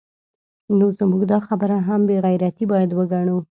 نو زموږ دا خبره هم بې غیرتي باید وګڼو